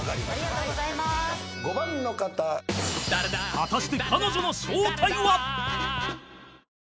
［果たして］